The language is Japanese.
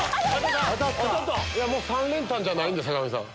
３連単じゃないんで坂上さん。